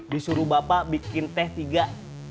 disuruh bapak bikin teh tiga